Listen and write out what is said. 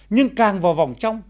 nhưng càng vào vòng trong